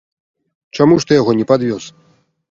Чаму ж ты яго не падвёз?